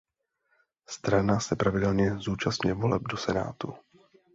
Strana se pravidelně zúčastňuje voleb do senátu.